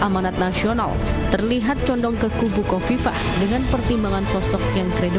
mas oni anwar harsono itu mulai muncul di dalam radar kami